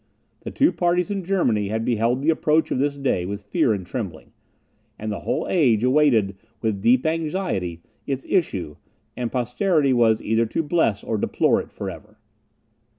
The two parties in Germany had beheld the approach of this day with fear and trembling; and the whole age awaited with deep anxiety its issue, and posterity was either to bless or deplore it for ever.